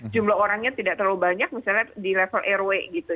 jumlah orangnya tidak terlalu banyak misalnya di level rw gitu